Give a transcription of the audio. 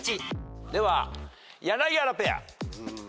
では柳原ペア。